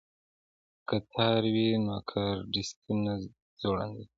که تار وي نو کارډستي نه ځوړندیږي.